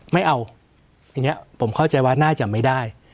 ไม่เอาอย่างนี้ผมเข้าใจว่าน่าจะไม่ได้